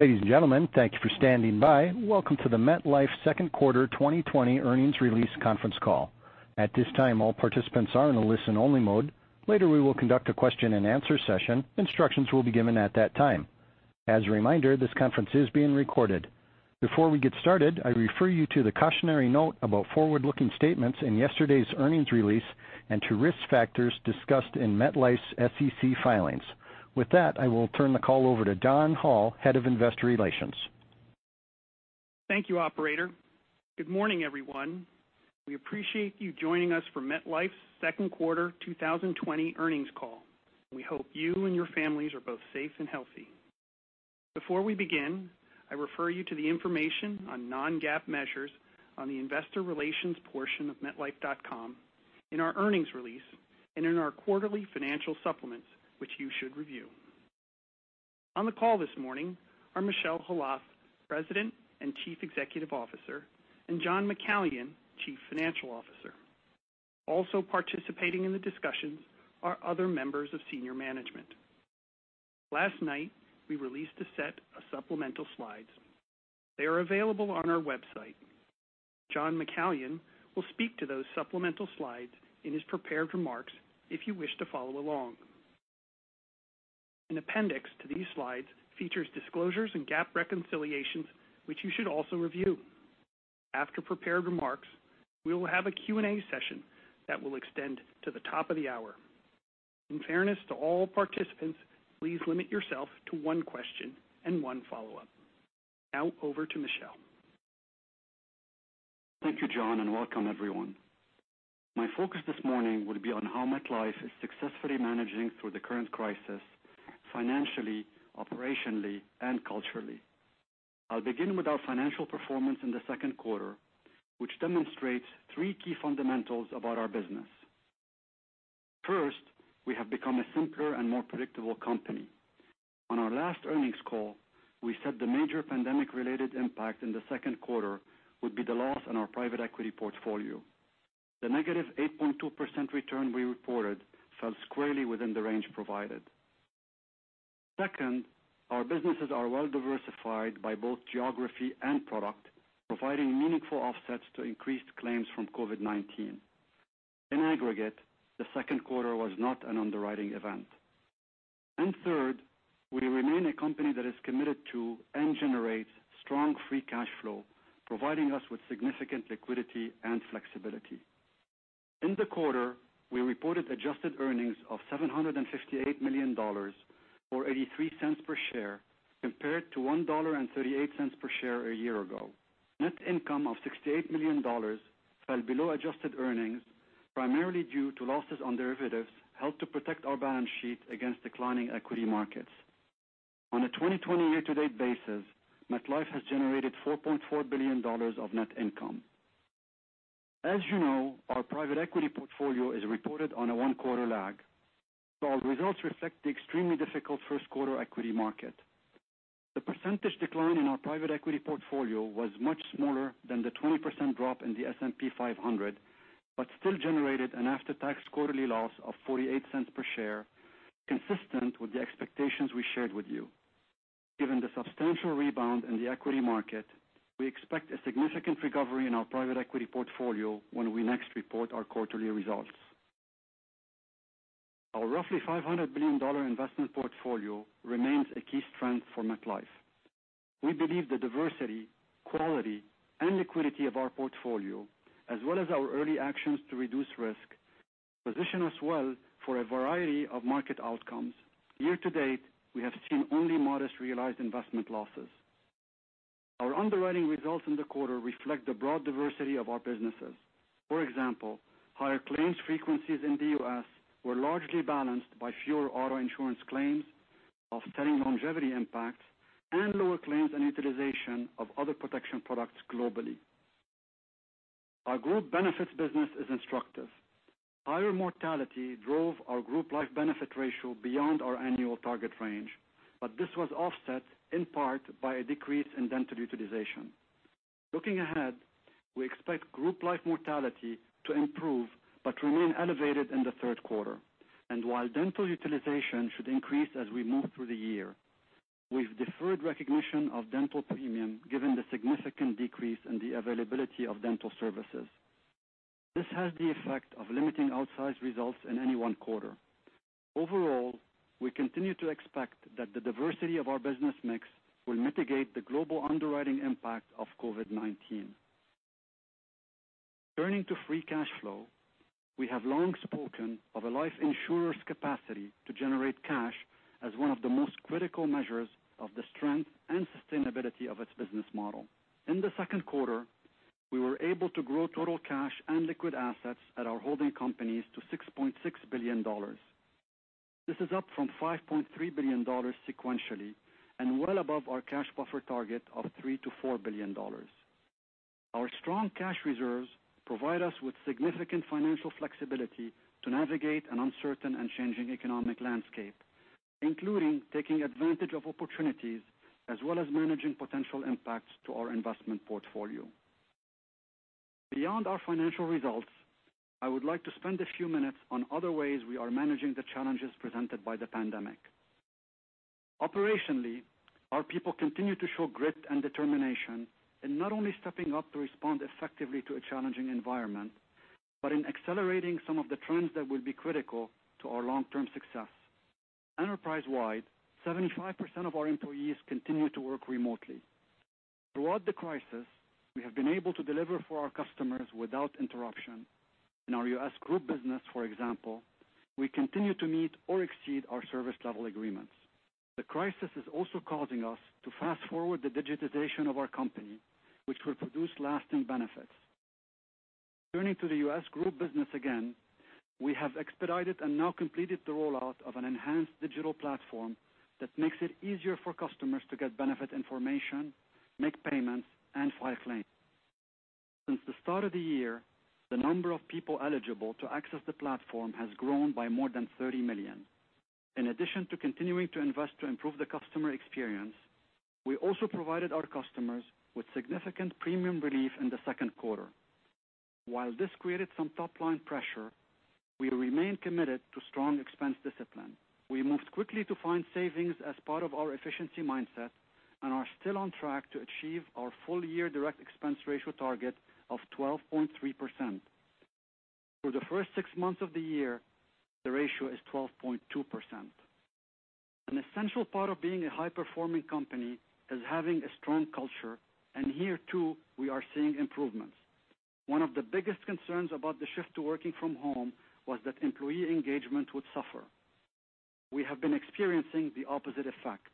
Ladies and gentlemen, thank you for standing by. Welcome to the MetLife Second Quarter 2020 Earnings Release Conference Call. At this time, all participants are in a listen-only mode. Later, we will conduct a question-and-answer session. Instructions will be given at that time. As a reminder, this conference is being recorded. Before we get started, I refer you to the cautionary note about forward-looking statements in yesterday's earnings release and to risk factors discussed in MetLife's SEC filings. With that, I will turn the call over to John Hall, Head of Investor Relations. Thank you, Operator. Good morning, everyone. We appreciate you joining us for MetLife's Second Quarter 2020 Earnings Call. We hope you and your families are both safe and healthy. Before we begin, I refer you to the information on non-GAAP measures on the Investor Relations portion of MetLife.com, in our earnings release, and in our quarterly financial supplements, which you should review. On the call this morning are Michel Khalaf, President and Chief Executive Officer, and John McCallion, Chief Financial Officer. Also participating in the discussions are other members of senior management. Last night, we released a set of supplemental slides. They are available on our website. John McCallion will speak to those supplemental slides in his prepared remarks if you wish to follow along. An appendix to these slides features disclosures and GAAP reconciliations, which you should also review. After prepared remarks, we will have a Q&A session that will extend to the top of the hour. In fairness to all participants, please limit yourself to one question and one follow-up. Now, over to Michel. Thank you, John, and welcome, everyone. My focus this morning will be on how MetLife is successfully managing through the current crisis financially, operationally, and culturally. I'll begin with our financial performance in the second quarter, which demonstrates three key fundamentals about our business. First, we have become a simpler and more predictable company. On our last earnings call, we said the major pandemic-related impact in the second quarter would be the loss in our private equity portfolio. The -8.2% return we reported fell squarely within the range provided. Second, our businesses are well-diversified by both geography and product, providing meaningful offsets to increased claims from COVID-19. In aggregate, the second quarter was not an underwriting event. Third, we remain a company that is committed to and generates strong free cash flow, providing us with significant liquidity and flexibility. In the quarter, we reported adjusted earnings of $758 million or $0.83 per share, compared to $1.38 per share a year ago. Net income of $68 million fell below adjusted earnings, primarily due to losses on derivatives held to protect our balance sheet against declining equity markets. On a 2020 year-to-date basis, MetLife has generated $4.4 billion of net income. As you know, our private equity portfolio is reported on a one-quarter lag, so our results reflect the extremely difficult first quarter equity market. The percentage decline in our private equity portfolio was much smaller than the 20% drop in the S&P 500, but still generated an after-tax quarterly loss of $0.48 per share, consistent with the expectations we shared with you. Given the substantial rebound in the equity market, we expect a significant recovery in our private equity portfolio when we next report our quarterly results. Our roughly $500 billion investment portfolio remains a key strength for MetLife. We believe the diversity, quality, and liquidity of our portfolio, as well as our early actions to reduce risk, position us well for a variety of market outcomes. Year to date, we have seen only modest realized investment losses. Our underwriting results in the quarter reflect the broad diversity of our businesses. For example, higher claims frequencies in the U.S. were largely balanced by fewer auto insurance claims of selling longevity impacts and lower claims and utilization of other protection products globally. Our group benefits business is instructive. Higher mortality drove our group life benefit ratio beyond our annual target range, but this was offset in part by a decrease in dental utilization. Looking ahead, we expect group life mortality to improve but remain elevated in the third quarter, and while dental utilization should increase as we move through the year, we've deferred recognition of dental premium given the significant decrease in the availability of dental services. This has the effect of limiting outsized results in any one quarter. Overall, we continue to expect that the diversity of our business mix will mitigate the global underwriting impact of COVID-19. Turning to free cash flow, we have long spoken of a life insurer's capacity to generate cash as one of the most critical measures of the strength and sustainability of its business model. In the second quarter, we were able to grow total cash and liquid assets at our holding companies to $6.6 billion. This is up from $5.3 billion sequentially and well above our cash buffer target of $3 billion-$4 billion. Our strong cash reserves provide us with significant financial flexibility to navigate an uncertain and changing economic landscape, including taking advantage of opportunities as well as managing potential impacts to our investment portfolio. Beyond our financial results, I would like to spend a few minutes on other ways we are managing the challenges presented by the pandemic. Operationally, our people continue to show grit and determination in not only stepping up to respond effectively to a challenging environment, but in accelerating some of the trends that will be critical to our long-term success. Enterprise-wide, 75% of our employees continue to work remotely. Throughout the crisis, we have been able to deliver for our customers without interruption. In our U.S. group business, for example, we continue to meet or exceed our service-level agreements. The crisis is also causing us to fast-forward the digitization of our company, which will produce lasting benefits. Turning to the U.S. group business again, we have expedited and now completed the rollout of an enhanced digital platform that makes it easier for customers to get benefit information, make payments, and file claims. Since the start of the year, the number of people eligible to access the platform has grown by more than 30 million. In addition to continuing to invest to improve the customer experience, we also provided our customers with significant premium relief in the second quarter. While this created some top-line pressure, we remain committed to strong expense discipline. We moved quickly to find savings as part of our efficiency mindset and are still on track to achieve our full-year direct expense ratio target of 12.3%. For the first six months of the year, the ratio is 12.2%. An essential part of being a high-performing company is having a strong culture, and here too, we are seeing improvements. One of the biggest concerns about the shift to working from home was that employee engagement would suffer. We have been experiencing the opposite effect.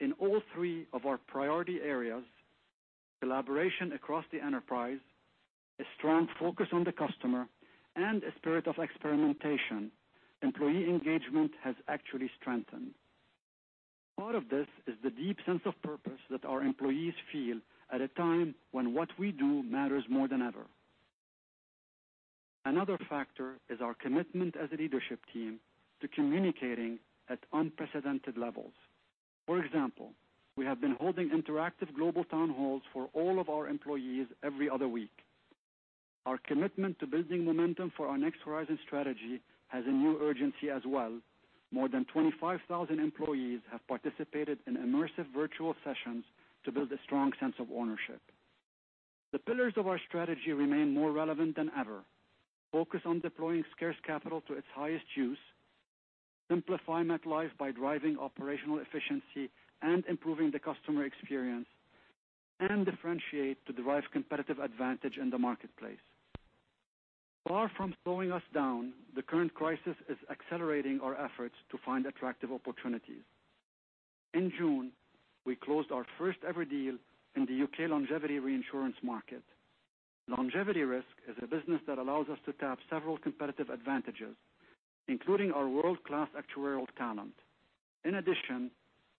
In all three of our priority areas, collaboration across the enterprise, a strong focus on the customer, and a spirit of experimentation, employee engagement has actually strengthened. Part of this is the deep sense of purpose that our employees feel at a time when what we do matters more than ever. Another factor is our commitment as a leadership team to communicating at unprecedented levels. For example, we have been holding interactive global town halls for all of our employees every other week. Our commitment to building momentum for our next horizon strategy has a new urgency as well. More than 25,000 employees have participated in immersive virtual sessions to build a strong sense of ownership. The pillars of our strategy remain more relevant than ever: focus on deploying scarce capital to its highest use, simplify MetLife by driving operational efficiency and improving the customer experience, and differentiate to derive competitive advantage in the marketplace. Far from slowing us down, the current crisis is accelerating our efforts to find attractive opportunities. In June, we closed our first-ever deal in the U.K. longevity reinsurance market. Longevity risk is a business that allows us to tap several competitive advantages, including our world-class actuarial talent. In addition,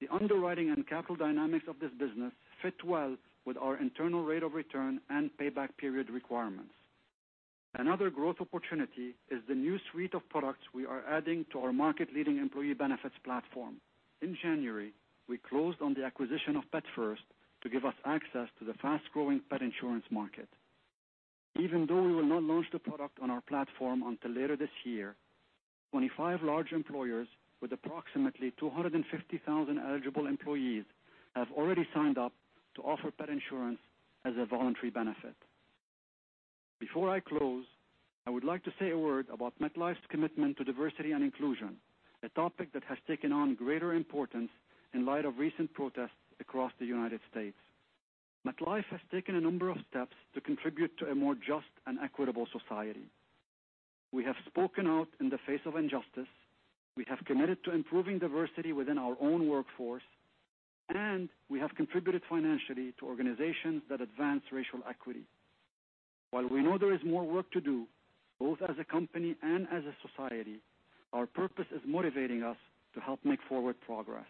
the underwriting and capital dynamics of this business fit well with our internal rate of return and payback period requirements. Another growth opportunity is the new suite of products we are adding to our market-leading employee benefits platform. In January, we closed on the acquisition of PetFirst to give us access to the fast-growing pet insurance market. Even though we will not launch the product on our platform until later this year, 25 large employers with approximately 250,000 eligible employees have already signed up to offer pet insurance as a voluntary benefit. Before I close, I would like to say a word about MetLife's commitment to diversity and inclusion, a topic that has taken on greater importance in light of recent protests across the United States MetLife has taken a number of steps to contribute to a more just and equitable society. We have spoken out in the face of injustice. We have committed to improving diversity within our own workforce, and we have contributed financially to organizations that advance racial equity. While we know there is more work to do, both as a company and as a society, our purpose is motivating us to help make forward progress.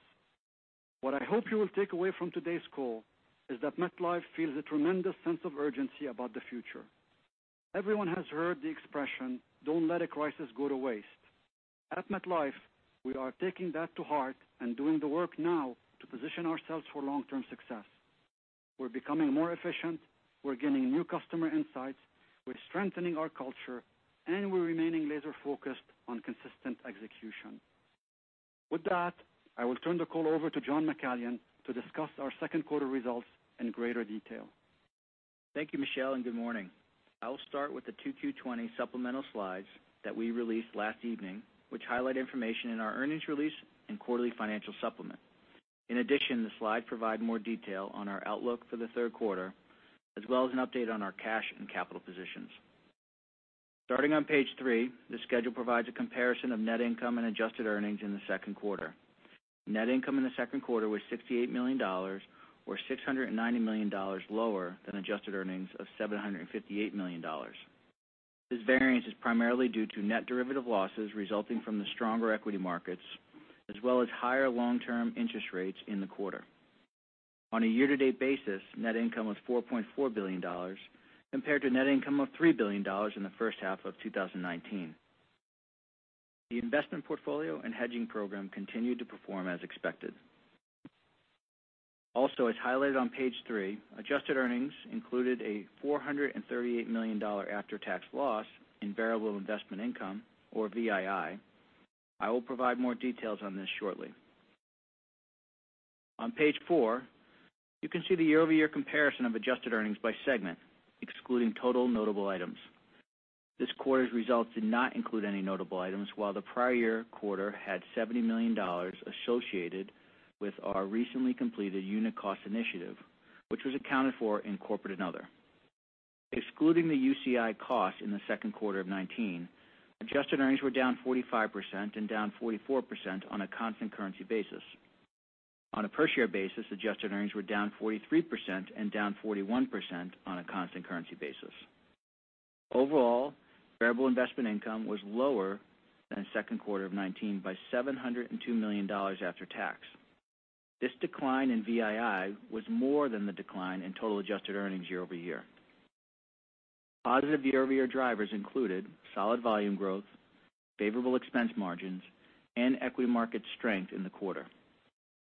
What I hope you will take away from today's call is that MetLife feels a tremendous sense of urgency about the future. Everyone has heard the expression, "Don't let a crisis go to waste." At MetLife, we are taking that to heart and doing the work now to position ourselves for long-term success. We're becoming more efficient. We're gaining new customer insights. We're strengthening our culture, and we're remaining laser-focused on consistent execution. With that, I will turn the call over to John McCallion to discuss our second quarter results in greater detail. Thank you, Michel, and good morning. I'll start with the 2Q 2020 supplemental slides that we released last evening, which highlight information in our earnings release and quarterly financial supplement. In addition, the slides provide more detail on our outlook for the third quarter, as well as an update on our cash and capital positions. Starting on page three, the schedule provides a comparison of net income and adjusted earnings in the second quarter. Net income in the second quarter was $68 million, or $690 million lower than adjusted earnings of $758 million. This variance is primarily due to net derivative losses resulting from the stronger equity markets, as well as higher long-term interest rates in the quarter. On a year-to-date basis, net income was $4.4 billion, compared to net income of $3 billion in the first half of 2019. The investment portfolio and hedging program continued to perform as expected. Also, as highlighted on page three, adjusted earnings included a $438 million after-tax loss in variable investment income, or VII. I will provide more details on this shortly. On page four, you can see the year-over-year comparison of adjusted earnings by segment, excluding total notable items. This quarter's results did not include any notable items, while the prior year quarter had $70 million associated with our recently completed Unit Cost Initiative, which was accounted for in Corporate and Other. Excluding the UCI cost in the second quarter of 2019, adjusted earnings were down 45% and down 44% on a constant currency basis. On a per-share basis, adjusted earnings were down 43% and down 41% on a constant currency basis. Overall, variable investment income was lower than second quarter of 2019 by $702 million after tax. This decline in VII was more than the decline in total adjusted earnings year-over-year. Positive year-over-year drivers included solid volume growth, favorable expense margins, and equity market strength in the quarter.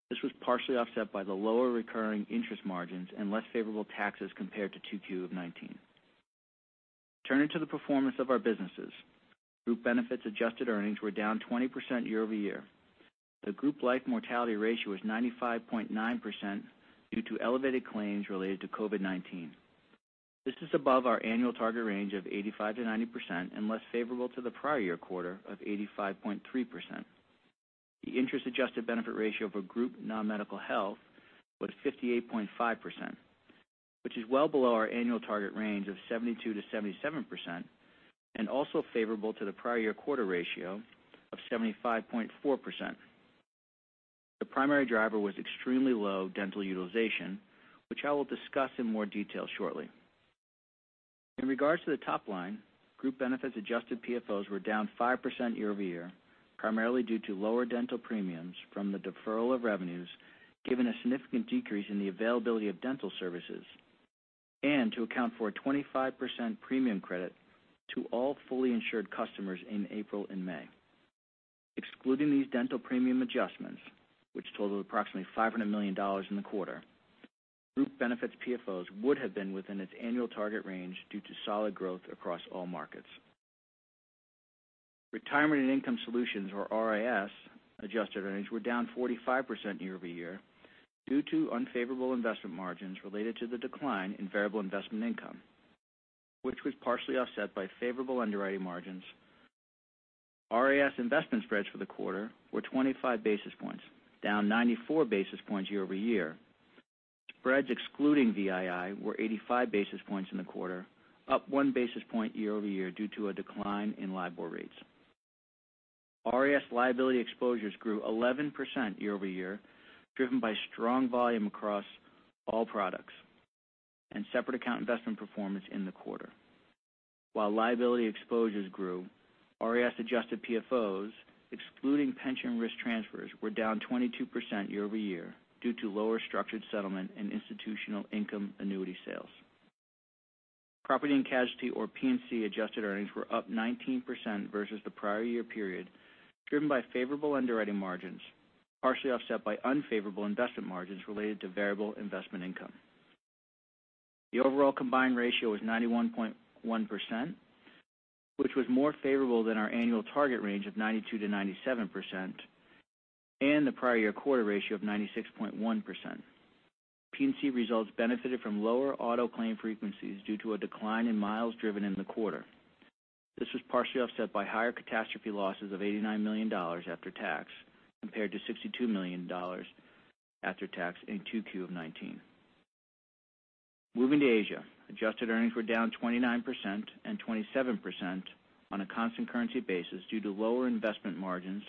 This was partially offset by the lower recurring interest margins and less favorable taxes compared to 2Q of 2019. Turning to the performance of our businesses, group benefits adjusted earnings were down 20% year-over-year. The group life mortality ratio was 95.9% due to elevated claims related to COVID-19. This is above our annual target range of 85%-90% and less favorable to the prior year quarter of 85.3%. The interest adjusted benefit ratio for group non-medical health was 58.5%, which is well below our annual target range of 72%-77% and also favorable to the prior year quarter ratio of 75.4%. The primary driver was extremely low dental utilization, which I will discuss in more detail shortly. In regards to the top line, group benefits adjusted PFOs were down 5% year-over-year, primarily due to lower dental premiums from the deferral of revenues, given a significant decrease in the availability of dental services, and to account for a 25% premium credit to all fully insured customers in April and May. Excluding these dental premium adjustments, which totaled approximately $500 million in the quarter, group benefits PFOs would have been within its annual target range due to solid growth across all markets. Retirement and income solutions, or RIS adjusted earnings, were down 45% year-over-year due to unfavorable investment margins related to the decline in variable investment income, which was partially offset by favorable underwriting margins. RIS investment spreads for the quarter were 25 basis points, down 94 basis points year-over-year. Spreads excluding VII were 85 basis points in the quarter, up one basis point year-over-year due to a decline in LIBOR rates. RIS liability exposures grew 11% year-over-year, driven by strong volume across all products and separate account investment performance in the quarter. While liability exposures grew, RIS adjusted PFOs, excluding pension risk transfers, were down 22% year-over-year due to lower structured settlement and institutional income annuity sales. Property and Casualty, or P&C, adjusted earnings were up 19% versus the prior year period, driven by favorable underwriting margins, partially offset by unfavorable investment margins related to variable investment income. The overall combined ratio was 91.1%, which was more favorable than our annual target range of 92-97%, and the prior year quarter ratio of 96.1%. P&C results benefited from lower auto claim frequencies due to a decline in miles driven in the quarter. This was partially offset by higher catastrophe losses of $89 million after tax, compared to $62 million after tax in 2Q of 2019. Moving to Asia, adjusted earnings were down 29% and 27% on a constant currency basis due to lower investment margins,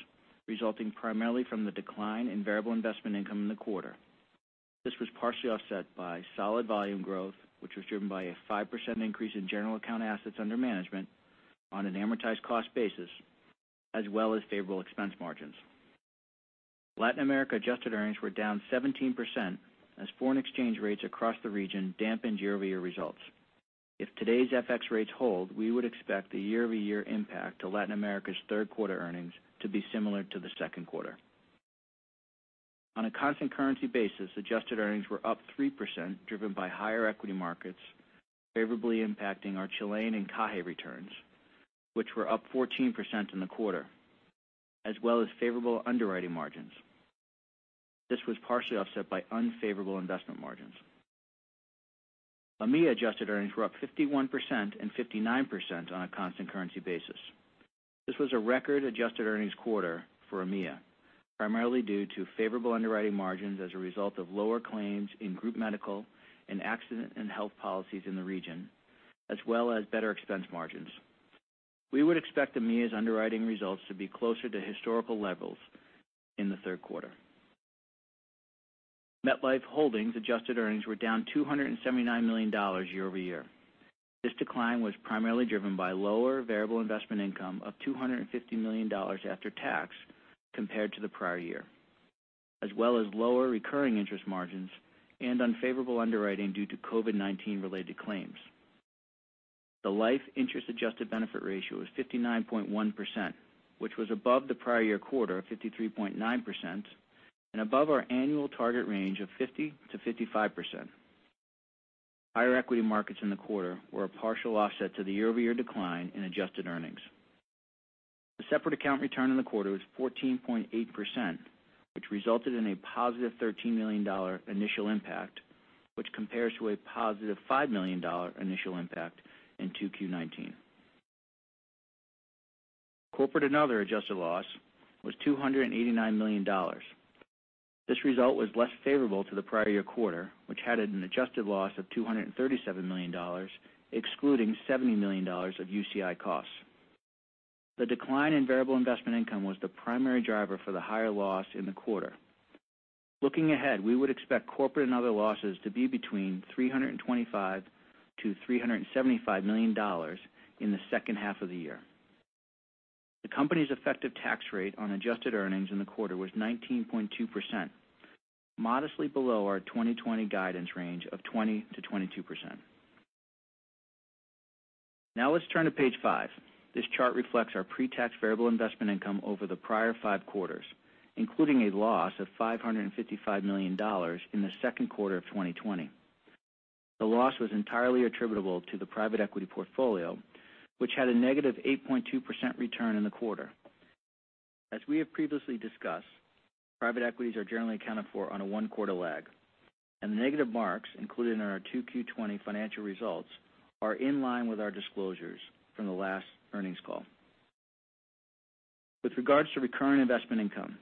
resulting primarily from the decline in variable investment income in the quarter. This was partially offset by solid volume growth, which was driven by a 5% increase in general account assets under management on an amortized cost basis, as well as favorable expense margins. Latin America adjusted earnings were down 17% as foreign exchange rates across the region dampened year-over-year results. If today's FX rates hold, we would expect the year-over-year impact to Latin America's third quarter earnings to be similar to the second quarter. On a constant currency basis, adjusted earnings were up 3%, driven by higher equity markets, favorably impacting our Chilean and Cajay returns, which were up 14% in the quarter, as well as favorable underwriting margins. This was partially offset by unfavorable investment margins. AMIA adjusted earnings were up 51% and 59% on a constant currency basis. This was a record adjusted earnings quarter for AMIA, primarily due to favorable underwriting margins as a result of lower claims in group medical and accident and health policies in the region, as well as better expense margins. We would expect AMIA's underwriting results to be closer to historical levels in the third quarter. MetLife Holdings adjusted earnings were down $279 million year-over-year. This decline was primarily driven by lower variable investment income of $250 million after tax, compared to the prior year, as well as lower recurring interest margins and unfavorable underwriting due to COVID-19-related claims. The life interest adjusted benefit ratio was 59.1%, which was above the prior year quarter of 53.9% and above our annual target range of 50%-55%. Higher equity markets in the quarter were a partial offset to the year-over-year decline in adjusted earnings. The separate account return in the quarter was 14.8%, which resulted in a positive $13 million initial impact, which compares to a positive $5 million initial impact in 2Q 2019. Corporate and other adjusted loss was $289 million. This result was less favorable to the prior year quarter, which had an adjusted loss of $237 million, excluding $70 million of UCI costs. The decline in variable investment income was the primary driver for the higher loss in the quarter. Looking ahead, we would expect corporate and other losses to be between $325 million-$375 million in the second half of the year. The company's effective tax rate on adjusted earnings in the quarter was 19.2%, modestly below our 2020 guidance range of 20%-22%. Now let's turn to page five. This chart reflects our pre-tax variable investment income over the prior five quarters, including a loss of $555 million in the second quarter of 2020. The loss was entirely attributable to the private equity portfolio, which had a -8.2% return in the quarter. As we have previously discussed, private equities are generally accounted for on a one-quarter lag, and the negative marks included in our 2Q 2020 financial results are in line with our disclosures from the last earnings call. With regards to recurring investment income,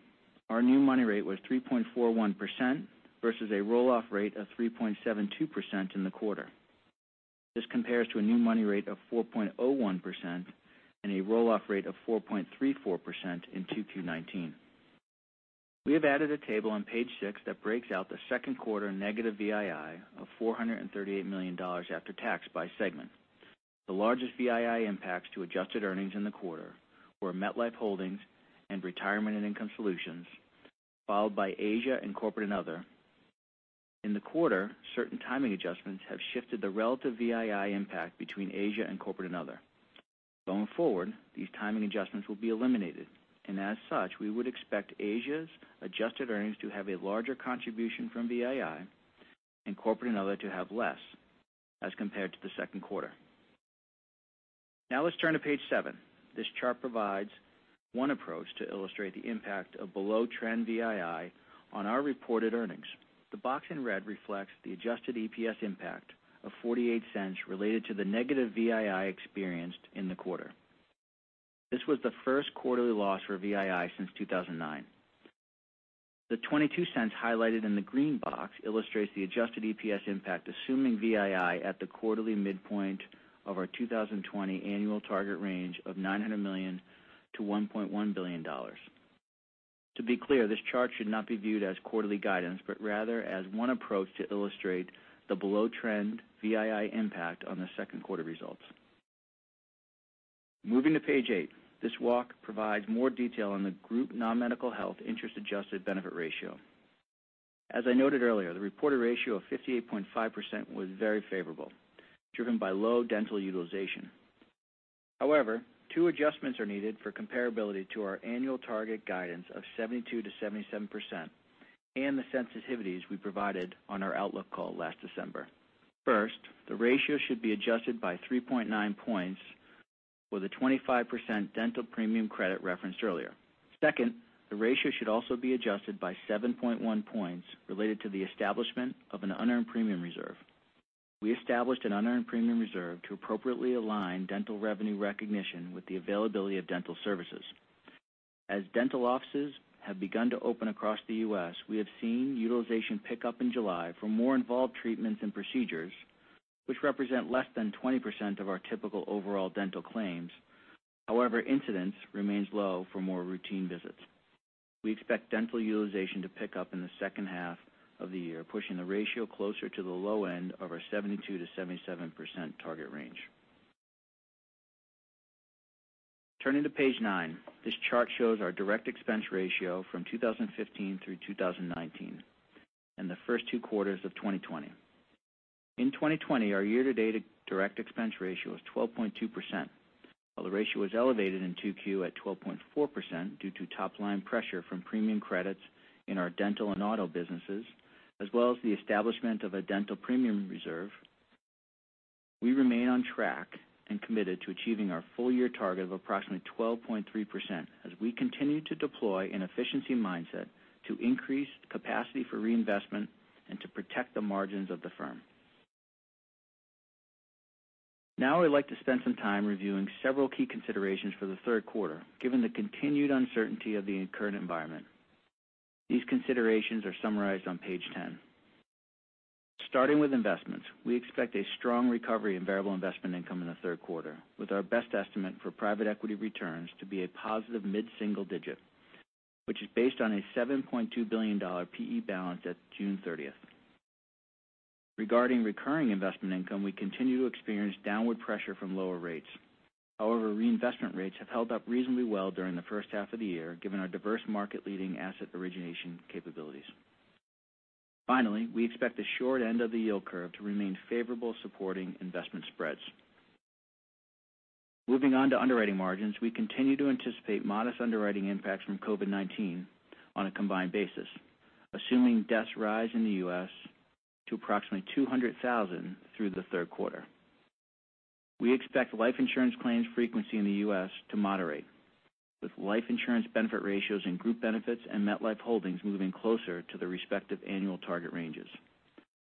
our new money rate was 3.41% versus a roll-off rate of 3.72% in the quarter. This compares to a new money rate of 4.01% and a roll-off rate of 4.34% in 2Q 2019. We have added a table on page six that breaks out the second quarter negative VII of $438 million after tax by segment. The largest VII impacts to adjusted earnings in the quarter were MetLife Holdings and Retirement and Income Solutions, followed by Asia and Corporate and Other. In the quarter, certain timing adjustments have shifted the relative VII impact between Asia and Corporate and Other. Going forward, these timing adjustments will be eliminated, and as such, we would expect Asia's adjusted earnings to have a larger contribution from VII and Corporate and Other to have less, as compared to the second quarter. Now let's turn to page seven. This chart provides one approach to illustrate the impact of below-trend VII on our reported earnings. The box in red reflects the adjusted EPS impact of $0.48 related to the negative VII experienced in the quarter. This was the first quarterly loss for VII since 2009. The $0.22 highlighted in the green box illustrates the adjusted EPS impact assuming VII at the quarterly midpoint of our 2020 annual target range of $900 million-$1.1 billion. To be clear, this chart should not be viewed as quarterly guidance, but rather as one approach to illustrate the below-trend VII impact on the second quarter results. Moving to page eight, this walk provides more detail on the group non-medical health interest adjusted benefit ratio. As I noted earlier, the reported ratio of 58.5% was very favorable, driven by low dental utilization. However, two adjustments are needed for comparability to our annual target guidance of 72%-77% and the sensitivities we provided on our outlook call last December. First, the ratio should be adjusted by 3.9 points for the 25% dental premium credit referenced earlier. Second, the ratio should also be adjusted by 7.1 points related to the establishment of an unearned premium reserve. We established an unearned premium reserve to appropriately align dental revenue recognition with the availability of dental services. As dental offices have begun to open across the U.S., we have seen utilization pick up in July for more involved treatments and procedures, which represent less than 20% of our typical overall dental claims. However, incidence remains low for more routine visits. We expect dental utilization to pick up in the second half of the year, pushing the ratio closer to the low end of our 72%-77% target range. Turning to page nine, this chart shows our direct expense ratio from 2015 through 2019 and the first two quarters of 2020. In 2020, our year-to-date direct expense ratio was 12.2%, while the ratio was elevated in 2Q at 12.4% due to top-line pressure from premium credits in our dental and auto businesses, as well as the establishment of a dental premium reserve. We remain on track and committed to achieving our full-year target of approximately 12.3% as we continue to deploy an efficiency mindset to increase capacity for reinvestment and to protect the margins of the firm. Now I'd like to spend some time reviewing several key considerations for the third quarter, given the continued uncertainty of the current environment. These considerations are summarized on page 10. Starting with investments, we expect a strong recovery in variable investment income in the third quarter, with our best estimate for private equity returns to be a positive mid-single digit, which is based on a $7.2 billion P/E balance at June 30. Regarding recurring investment income, we continue to experience downward pressure from lower rates. However, reinvestment rates have held up reasonably well during the first half of the year, given our diverse market-leading asset origination capabilities. Finally, we expect the short end of the yield curve to remain favorable, supporting investment spreads. Moving on to underwriting margins, we continue to anticipate modest underwriting impacts from COVID-19 on a combined basis, assuming deaths rise in the U.S. to approximately 200,000 through the third quarter. We expect life insurance claims frequency in the U.S. to moderate, with life insurance benefit ratios in group benefits and MetLife Holdings moving closer to the respective annual target ranges.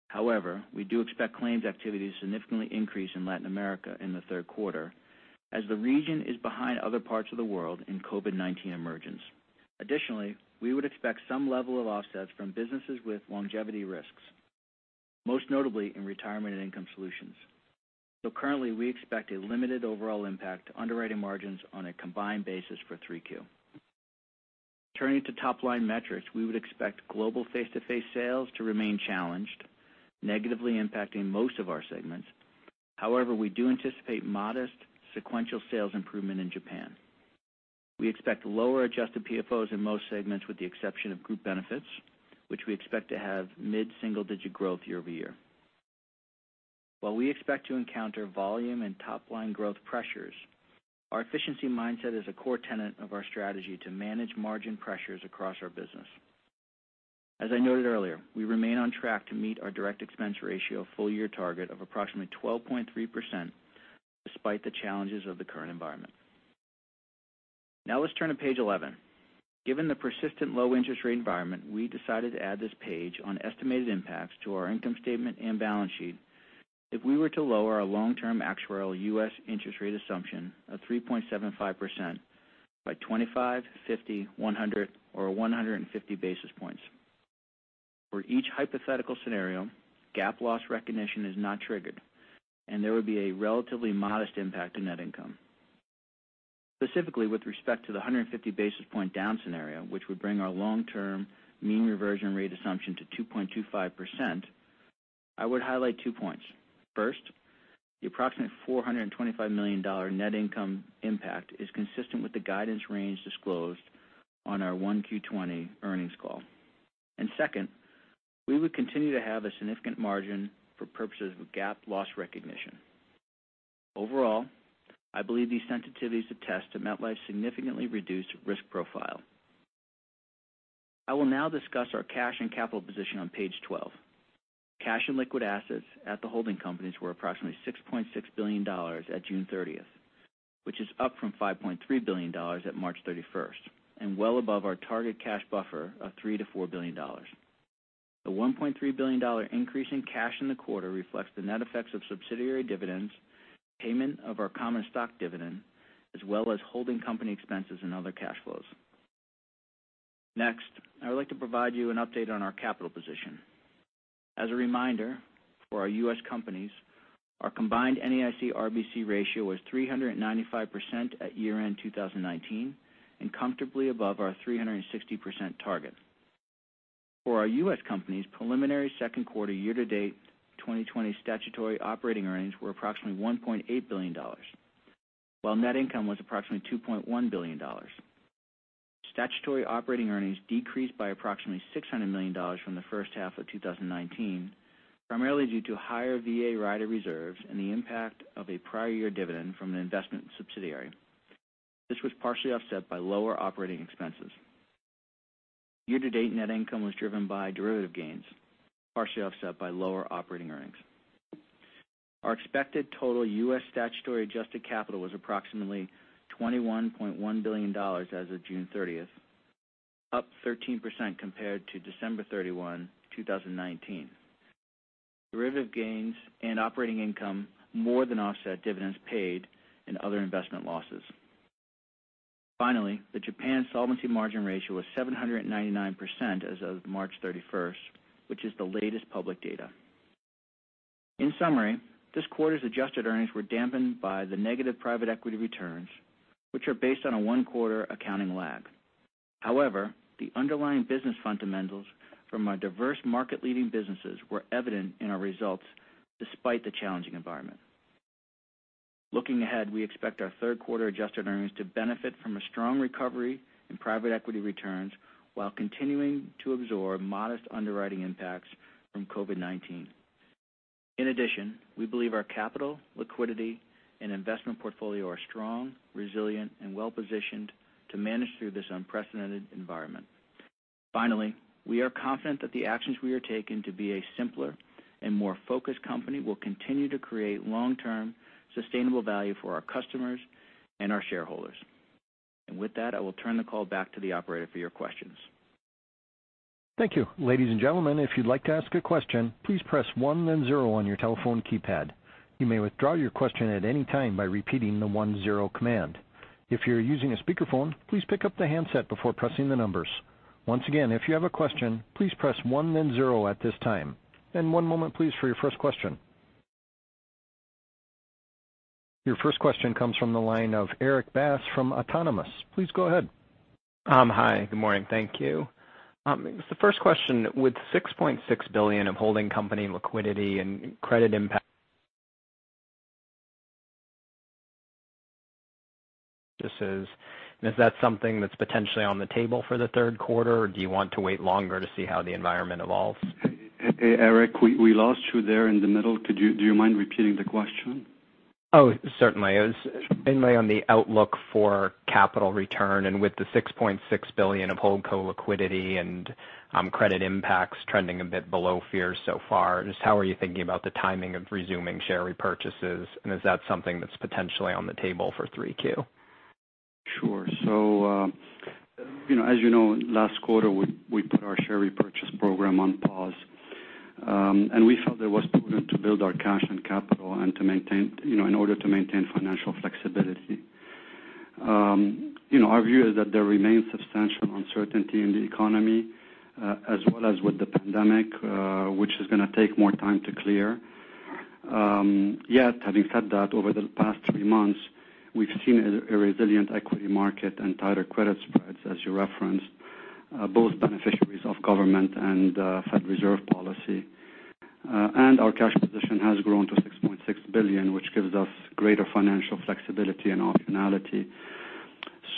However, we do expect claims activity to significantly increase in Latin America in the third quarter, as the region is behind other parts of the world in COVID-19 emergence. Additionally, we would expect some level of offsets from businesses with longevity risks, most notably in Retirement and Income Solutions. Currently, we expect a limited overall impact to underwriting margins on a combined basis for 3Q. Turning to top-line metrics, we would expect global face-to-face sales to remain challenged, negatively impacting most of our segments. However, we do anticipate modest sequential sales improvement in Japan. We expect lower adjusted PFOs in most segments, with the exception of group benefits, which we expect to have mid-single-digit growth year-over-year. While we expect to encounter volume and top-line growth pressures, our efficiency mindset is a core tenet of our strategy to manage margin pressures across our business. As I noted earlier, we remain on track to meet our direct expense ratio full-year target of approximately 12.3%, despite the challenges of the current environment. Now let's turn to page 11. Given the persistent low interest rate environment, we decided to add this page on estimated impacts to our income statement and balance sheet if we were to lower our long-term actuarial U.S. interest rate assumption of 3.75% by 25, 50, 100, or 150 basis points. For each hypothetical scenario, gap loss recognition is not triggered, and there would be a relatively modest impact to net income. Specifically, with respect to the 150 basis point down scenario, which would bring our long-term mean reversion rate assumption to 2.25%, I would highlight two points. First, the approximate $425 million net income impact is consistent with the guidance range disclosed on our 1Q 2020 earnings call. Second, we would continue to have a significant margin for purposes of GAAP loss recognition. Overall, I believe these sensitivities attest to MetLife's significantly reduced risk profile. I will now discuss our cash and capital position on page 12. Cash and liquid assets at the holding companies were approximately $6.6 billion at June 30, which is up from $5.3 billion at March 31 and well above our target cash buffer of $3 billion-$4 billion. The $1.3 billion increase in cash in the quarter reflects the net effects of subsidiary dividends, payment of our common stock dividend, as well as holding company expenses and other cash flows. Next, I would like to provide you an update on our capital position. As a reminder, for our U.S. companies, our combined NAIC-RBC ratio was 395% at year-end 2019 and comfortably above our 360% target. For our U.S. companies, preliminary second quarter year-to-date 2020 statutory operating earnings were approximately $1.8 billion, while net income was approximately $2.1 billion. Statutory operating earnings decreased by approximately $600 million from the first half of 2019, primarily due to higher VA rider reserves and the impact of a prior year dividend from an investment subsidiary. This was partially offset by lower operating expenses. Year-to-date net income was driven by derivative gains, partially offset by lower operating earnings. Our expected total U.S. statutory adjusted capital was approximately $21.1 billion as of June 30th, up 13% compared to December 31, 2019. Derivative gains and operating income more than offset dividends paid and other investment losses. Finally, the Japan solvency margin ratio was 799% as of March 31st, which is the latest public data. In summary, this quarter's adjusted earnings were dampened by the negative private equity returns, which are based on a one-quarter accounting lag. However, the underlying business fundamentals from our diverse market-leading businesses were evident in our results despite the challenging environment. Looking ahead, we expect our third quarter adjusted earnings to benefit from a strong recovery in private equity returns while continuing to absorb modest underwriting impacts from COVID-19. In addition, we believe our capital, liquidity, and investment portfolio are strong, resilient, and well-positioned to manage through this unprecedented environment. Finally, we are confident that the actions we are taking to be a simpler and more focused company will continue to create long-term sustainable value for our customers and our shareholders. With that, I will turn the call back to the operator for your questions. Thank you. Ladies and gentlemen, if you'd like to ask a question, please press one then zero on your telephone keypad. You may withdraw your question at any time by repeating the one zero command. If you're using a speakerphone, please pick up the handset before pressing the numbers. Once again, if you have a question, please press one then zero at this time. One moment, please, for your first question. Your first question comes from the line of Erik Bass from Autonomous. Please go ahead. Hi. Good morning. Thank you. The first question, with $6.6 billion of holding company liquidity and credit impact, is that something that's potentially on the table for the third quarter, or do you want to wait longer to see how the environment evolves? Erik, we lost you there in the middle. Do you mind repeating the question? Oh, certainly. It was mainly on the outlook for capital return, and with the $6.6 billion of hold co-liquidity and credit impacts trending a bit below fear so far, just how are you thinking about the timing of resuming share repurchases, and is that something that's potentially on the table for 3Q? Sure. As you know, last quarter, we put our share repurchase program on pause, and we felt it was prudent to build our cash and capital in order to maintain financial flexibility. Our view is that there remains substantial uncertainty in the economy, as well as with the pandemic, which is going to take more time to clear. Yet, having said that, over the past three months, we've seen a resilient equity market and tighter credit spreads, as you referenced, both beneficiaries of government and Fed Reserve policy. Our cash position has grown to $6.6 billion, which gives us greater financial flexibility and optionality.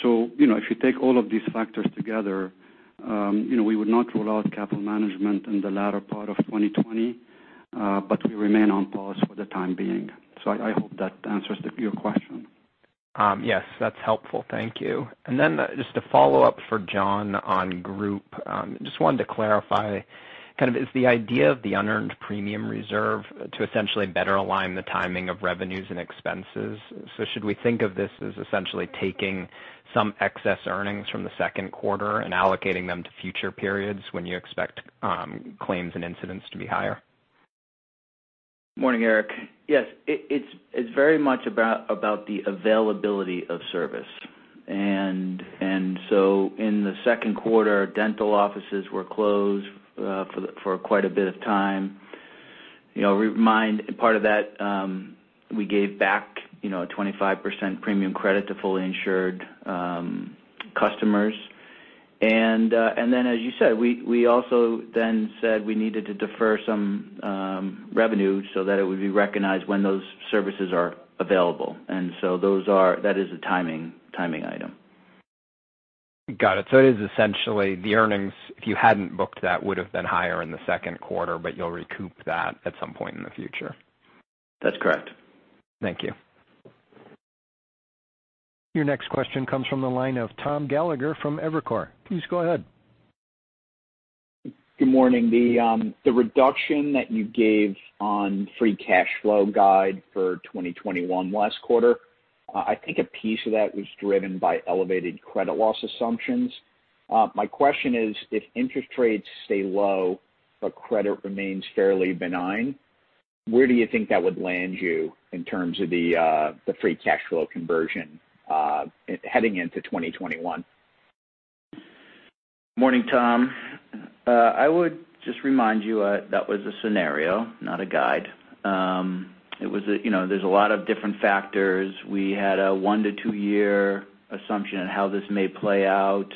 If you take all of these factors together, we would not rule out capital management in the latter part of 2020, but we remain on pause for the time being. I hope that answers your question. Yes, that's helpful. Thank you. Just a follow-up for John on group. Just wanted to clarify, kind of is the idea of the unearned premium reserve to essentially better align the timing of revenues and expenses? Should we think of this as essentially taking some excess earnings from the second quarter and allocating them to future periods when you expect claims and incidents to be higher? Morning, Eric. Yes, it's very much about the availability of service. In the second quarter, dental offices were closed for quite a bit of time. Part of that, we gave back a 25% premium credit to fully insured customers. As you said, we also then said we needed to defer some revenue so that it would be recognized when those services are available. That is a timing item. Got it. It is essentially the earnings, if you hadn't booked that, would have been higher in the second quarter, but you'll recoup that at some point in the future. That's correct. Thank you. Your next question comes from the line of Tom Gallagher from Evercore. Please go ahead. Good morning. The reduction that you gave on free cash flow guide for 2021 last quarter, I think a piece of that was driven by elevated credit loss assumptions. My question is, if interest rates stay low but credit remains fairly benign, where do you think that would land you in terms of the free cash flow conversion heading into 2021? Morning, Tom. I would just remind you that was a scenario, not a guide. There are a lot of different factors. We had a one to two-year assumption on how this may play out.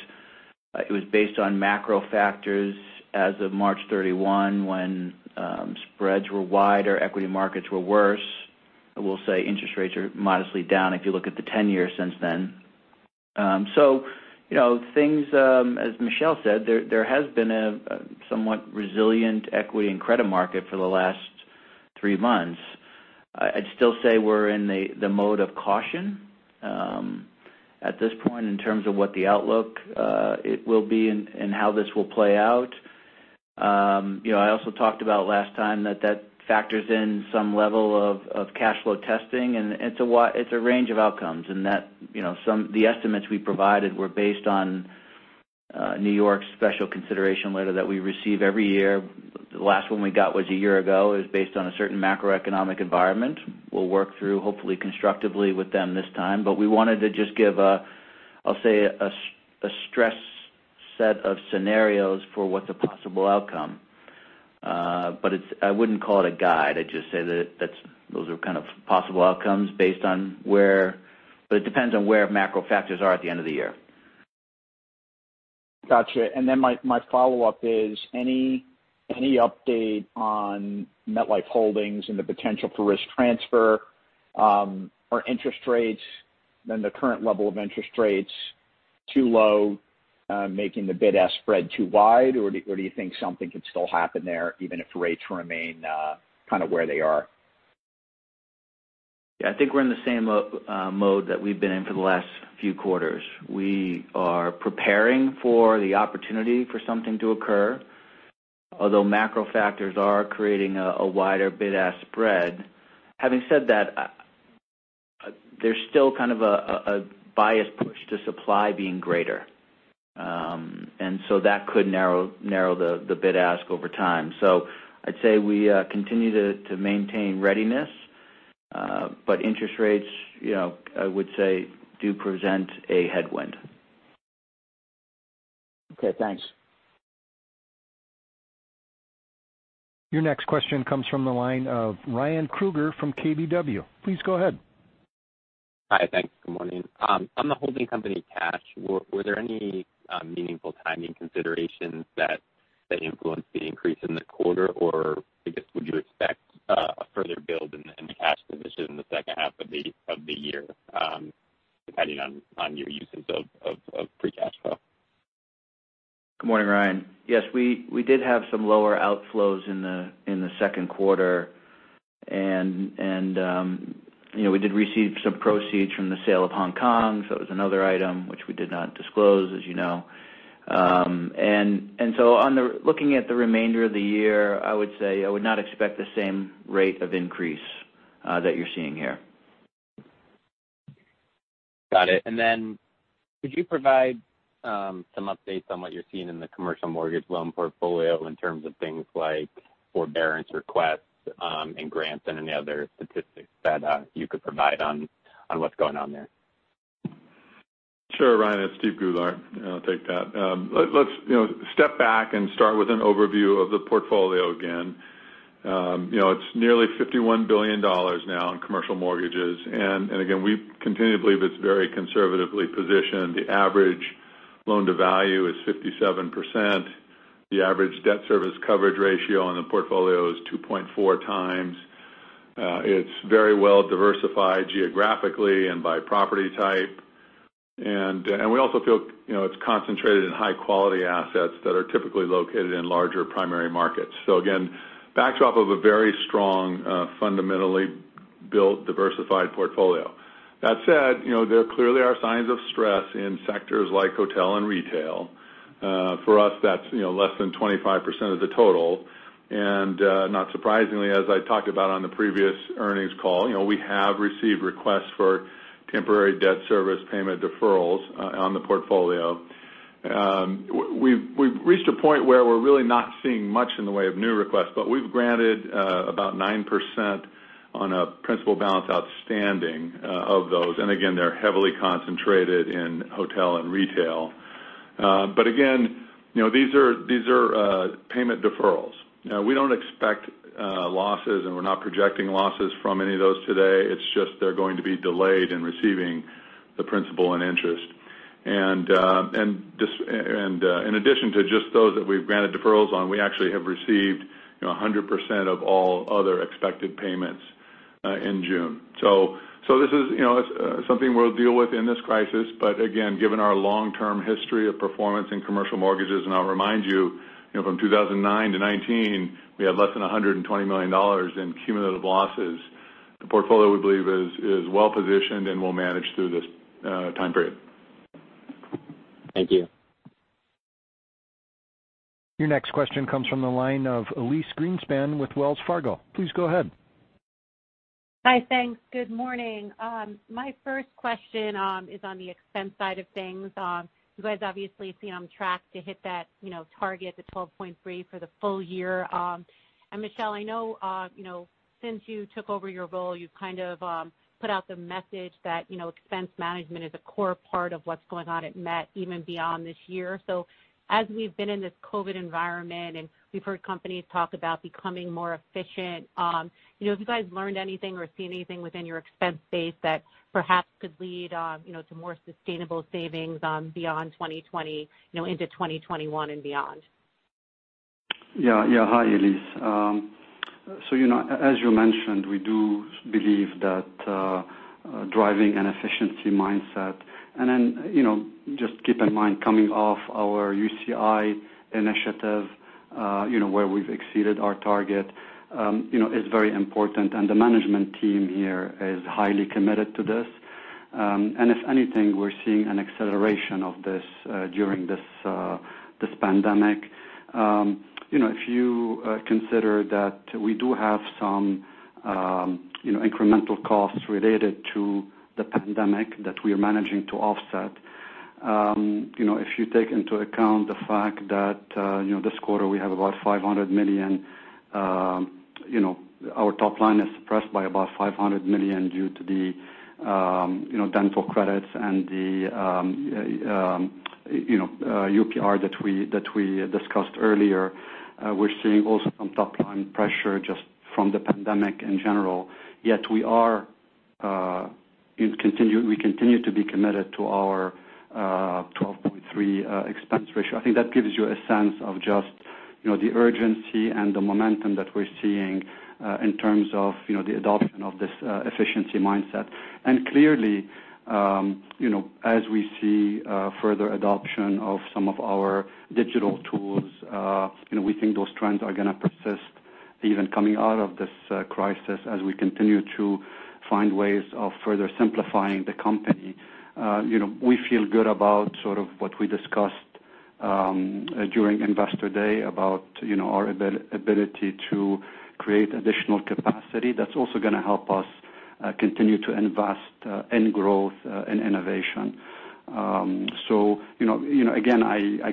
It was based on macro factors as of March 31, when spreads were wider, equity markets were worse. I will say interest rates are modestly down if you look at the 10-year since then. As Michel said, there has been a somewhat resilient equity and credit market for the last three months. I would still say we are in the mode of caution at this point in terms of what the outlook will be and how this will play out. I also talked about last time that that factors in some level of cash flow testing, and it is a range of outcomes. The estimates we provided were based on New York's special consideration letter that we receive every year. The last one we got was a year ago. It was based on a certain macroeconomic environment. We will work through, hopefully, constructively with them this time. We wanted to just give, I'll say, a stress set of scenarios for what the possible outcome is. I would not call it a guide. I would just say that those are kind of possible outcomes based on where it depends on where macro factors are at the end of the year. Gotcha. My follow-up is, any update on MetLife Holdings and the potential for risk transfer or interest rates, then the current level of interest rates too low, making the bid-ask spread too wide, or do you think something could still happen there even if rates remain kind of where they are? Yeah, I think we're in the same mode that we've been in for the last few quarters. We are preparing for the opportunity for something to occur, although macro factors are creating a wider bid-ask spread. Having said that, there's still kind of a bias push to supply being greater. That could narrow the bid-ask over time. I'd say we continue to maintain readiness, but interest rates, I would say, do present a headwind. Okay. Thanks. Your next question comes from the line of Ryan Krueger from KBW. Please go ahead. Hi. Thanks. Good morning. On the holding company cash, were there any meaningful timing considerations that influenced the increase in the quarter, or I guess would you expect a further build in the cash position in the second half of the year depending on your usage of free cash flow? Good morning, Ryan. Yes, we did have some lower outflows in the second quarter, and we did receive some proceeds from the sale of Hong Kong. It was another item which we did not disclose, as you know. Looking at the remainder of the year, I would say I would not expect the same rate of increase that you're seeing here. Got it. Could you provide some updates on what you're seeing in the commercial mortgage loan portfolio in terms of things like forbearance requests and grants and any other statistics that you could provide on what's going on there? Sure, Ryan. It's Steve Goulart. I'll take that. Let's step back and start with an overview of the portfolio again. It's nearly $51 billion now in commercial mortgages. We continue to believe it's very conservatively positioned. The average loan-to-value is 57%. The average debt service coverage ratio on the portfolio is 2.4x. It's very well-diversified geographically and by property type. We also feel it's concentrated in high-quality assets that are typically located in larger primary markets. Again, backdrop of a very strong, fundamentally built diversified portfolio. That said, there clearly are signs of stress in sectors like hotel and retail. For us, that's less than 25% of the total. Not surprisingly, as I talked about on the previous earnings call, we have received requests for temporary debt service payment deferrals on the portfolio. We've reached a point where we're really not seeing much in the way of new requests, but we've granted about 9% on a principal balance outstanding of those. Again, they're heavily concentrated in hotel and retail. These are payment deferrals. We don't expect losses, and we're not projecting losses from any of those today. It's just they're going to be delayed in receiving the principal and interest. In addition to just those that we've granted deferrals on, we actually have received 100% of all other expected payments in June. This is something we'll deal with in this crisis. Given our long-term history of performance in commercial mortgages, and I'll remind you, from 2009 to 2019, we had less than $120 million in cumulative losses. The portfolio, we believe, is well-positioned and will manage through this time period. Thank you. Your next question comes from the line of Elyse Greenspan with Wells Fargo. Please go ahead. Hi. Thanks. Good morning. My first question is on the expense side of things. You guys obviously seem on track to hit that target, the 12.3% for the full year. And Michel, I know since you took over your role, you've kind of put out the message that expense management is a core part of what's going on at MetLife, even beyond this year. As we've been in this COVID environment and we've heard companies talk about becoming more efficient, have you guys learned anything or seen anything within your expense base that perhaps could lead to more sustainable savings beyond 2020, into 2021 and beyond? Yeah. Yeah. Hi, Elyse. As you mentioned, we do believe that driving an efficiency mindset, and then just keep in mind coming off our UCI initiative where we've exceeded our target, is very important. The management team here is highly committed to this. If anything, we're seeing an acceleration of this during this pandemic. If you consider that we do have some incremental costs related to the pandemic that we are managing to offset, if you take into account the fact that this quarter we have about $500 million, our top line is suppressed by about $500 million due to the dental credits and the UPR that we discussed earlier. We're seeing also some top line pressure just from the pandemic in general. Yet we continue to be committed to our 12.3% expense ratio. I think that gives you a sense of just the urgency and the momentum that we're seeing in terms of the adoption of this efficiency mindset. Clearly, as we see further adoption of some of our digital tools, we think those trends are going to persist even coming out of this crisis as we continue to find ways of further simplifying the company. We feel good about sort of what we discussed during Investor Day about our ability to create additional capacity that's also going to help us continue to invest in growth and innovation. I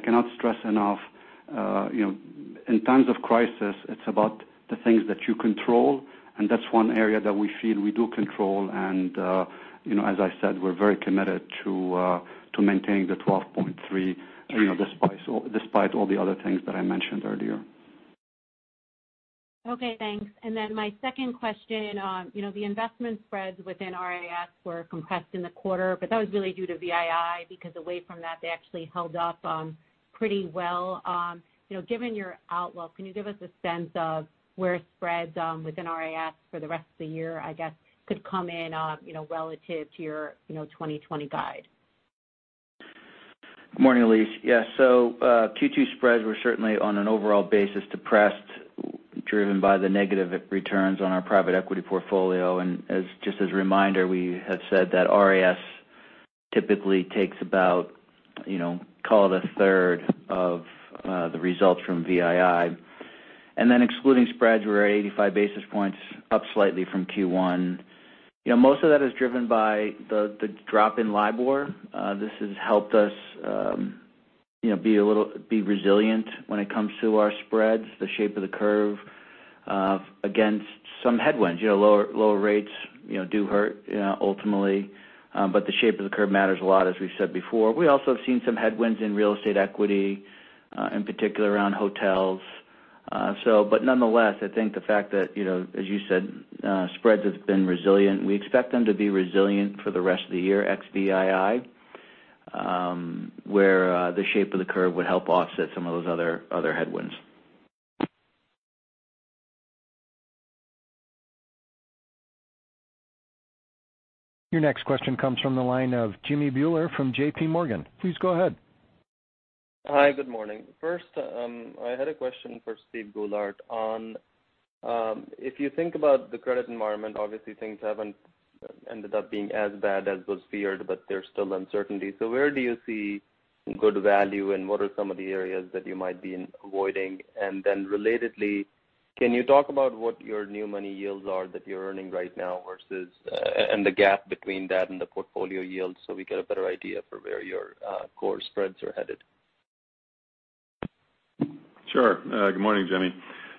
cannot stress enough, in times of crisis, it's about the things that you control. That's one area that we feel we do control. As I said, we're very committed to maintaining the 12.3% despite all the other things that I mentioned earlier. Okay. Thanks. My second question, the investment spreads within RIS were compressed in the quarter, but that was really due to VII because away from that, they actually held up pretty well. Given your outlook, can you give us a sense of where spreads within RIS for the rest of the year, I guess, could come in relative to your 2020 guide? Good morning, Elyse. Yeah. Q2 spreads were certainly, on an overall basis, depressed driven by the negative returns on our private equity portfolio. Just as a reminder, we have said that RIS typically takes about, call it a third of the results from VII. Excluding spreads, we're at 85 basis points, up slightly from Q1. Most of that is driven by the drop in LIBOR. This has helped us be resilient when it comes to our spreads, the shape of the curve against some headwinds. Lower rates do hurt ultimately, but the shape of the curve matters a lot, as we've said before. We also have seen some headwinds in real estate equity, in particular around hotels. Nonetheless, I think the fact that, as you said, spreads have been resilient. We expect them to be resilient for the rest of the year, ex-VII, where the shape of the curve would help offset some of those other headwinds. Your next question comes from the line of Jimmy Bhullar from JPMorgan. Please go ahead. Hi. Good morning. First, I had a question for Steve Goulart. If you think about the credit environment, obviously, things have not ended up being as bad as was feared, but there is still uncertainty. Where do you see good value, and what are some of the areas that you might be avoiding? Relatedly, can you talk about what your new money yields are that you are earning right now versus the gap between that and the portfolio yield so we get a better idea for where your core spreads are headed? Sure. Good morning, Jimmy.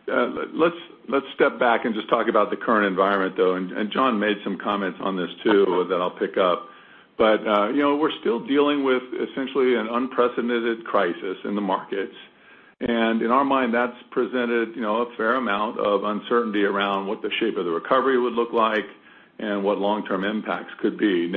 Let's step back and just talk about the current environment, though. John made some comments on this too that I'll pick up. We are still dealing with essentially an unprecedented crisis in the markets. In our mind, that's presented a fair amount of uncertainty around what the shape of the recovery would look like and what long-term impacts could be.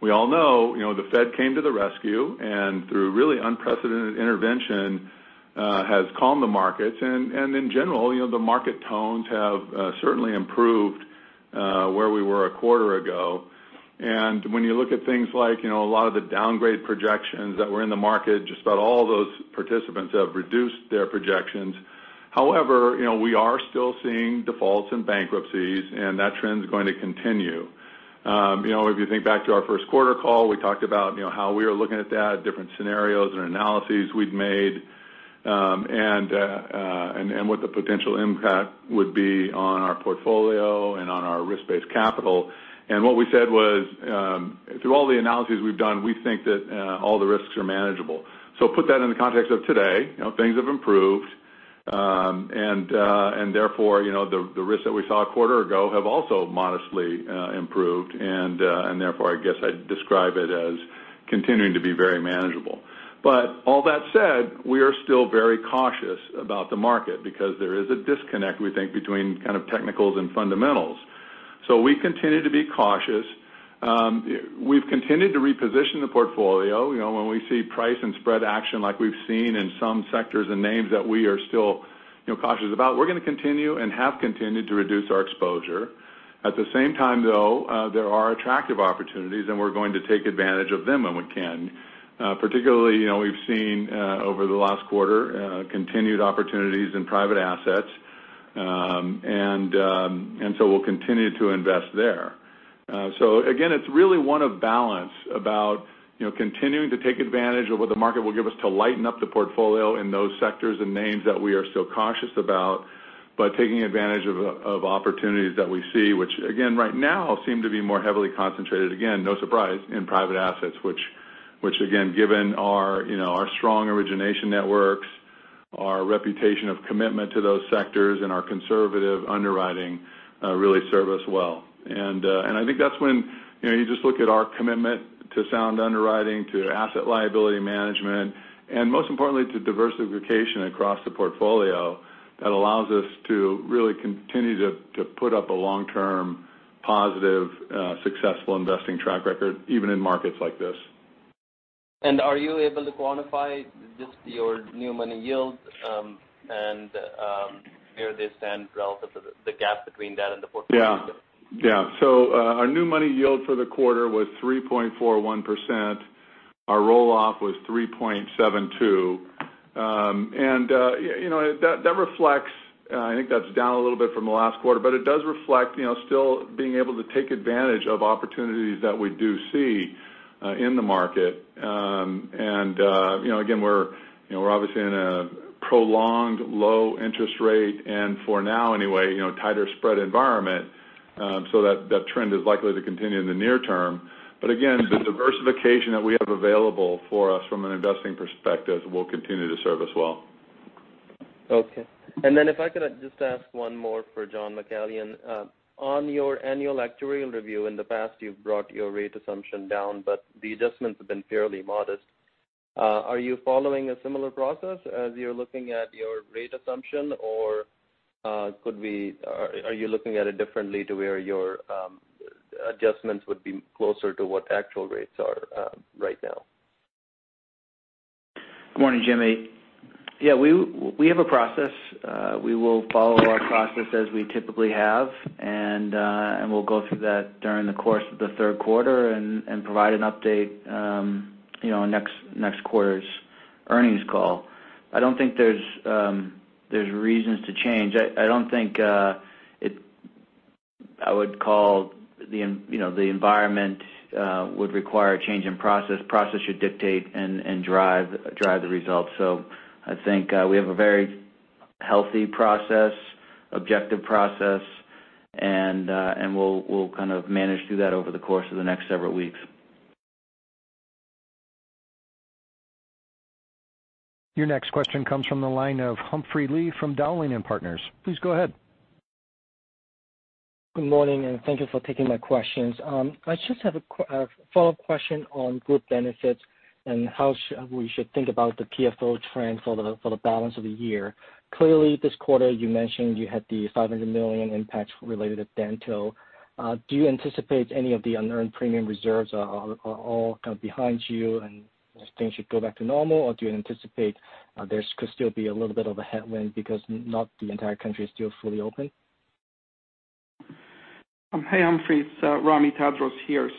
We all know the Fed came to the rescue and through really unprecedented intervention has calmed the markets. In general, the market tones have certainly improved from where we were a quarter ago. When you look at things like a lot of the downgrade projections that were in the market, just about all those participants have reduced their projections. However, we are still seeing defaults and bankruptcies, and that trend is going to continue. If you think back to our first quarter call, we talked about how we are looking at that, different scenarios and analyses we'd made, and what the potential impact would be on our portfolio and on our risk-based capital. What we said was, through all the analysis we've done, we think that all the risks are manageable. Put that in the context of today. Things have improved, and therefore, the risks that we saw a quarter ago have also modestly improved. I guess I'd describe it as continuing to be very manageable. All that said, we are still very cautious about the market because there is a disconnect, we think, between kind of technicals and fundamentals. We continue to be cautious. We've continued to reposition the portfolio. When we see price and spread action like we've seen in some sectors and names that we are still cautious about, we're going to continue and have continued to reduce our exposure. At the same time, though, there are attractive opportunities, and we're going to take advantage of them when we can. Particularly, we've seen over the last quarter continued opportunities in private assets. And so we'll continue to invest there. It is really one of balance about continuing to take advantage of what the market will give us to lighten up the portfolio in those sectors and names that we are still cautious about, but taking advantage of opportunities that we see, which right now seem to be more heavily concentrated, no surprise, in private assets, which given our strong origination networks, our reputation of commitment to those sectors, and our conservative underwriting really serve us well. I think that is when you just look at our commitment to sound underwriting, to asset liability management, and most importantly, to diversification across the portfolio that allows us to really continue to put up a long-term positive, successful investing track record, even in markets like this. Are you able to quantify just your new money yield and where they stand relative to the gap between that and the portfolio? Yeah. Yeah. Our new money yield for the quarter was 3.41%. Our roll-off was 3.72%. That reflects, I think, that's down a little bit from the last quarter, but it does reflect still being able to take advantage of opportunities that we do see in the market. Again, we're obviously in a prolonged low interest rate and, for now anyway, tighter spread environment. That trend is likely to continue in the near term. Again, the diversification that we have available for us from an investing perspective will continue to serve us well. Okay. If I could just ask one more for John McCallion. On your annual actuarial review in the past, you've brought your rate assumption down, but the adjustments have been fairly modest. Are you following a similar process as you're looking at your rate assumption, or are you looking at it differently to where your adjustments would be closer to what actual rates are right now? Good morning, Jimmy. Yeah. We have a process. We will follow our process as we typically have, and we'll go through that during the course of the third quarter and provide an update on next quarter's earnings call. I don't think there's reasons to change. I don't think I would call the environment would require a change in process. Process should dictate and drive the results. I think we have a very healthy process, objective process, and we'll kind of manage through that over the course of the next several weeks. Your next question comes from the line of Humphrey Lee from Dowling & Partners. Please go ahead. Good morning, and thank you for taking my questions. I just have a follow-up question on group benefits and how we should think about the PFO trends for the balance of the year. Clearly, this quarter, you mentioned you had the $500 million impact related to dental. Do you anticipate any of the unearned premium reserves are all kind of behind you and things should go back to normal, or do you anticipate there could still be a little bit of a headwind because not the entire country is still fully open? Hey, Humphreys. Ramy Tadros here.